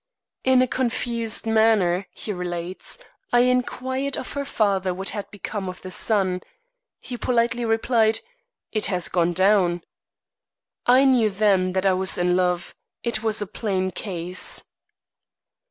"In a confused manner," he relates, "I inquired of her father what had become of the sun. He politely replied, 'It has gone down!' I knew then that I was in love. It was a plain case."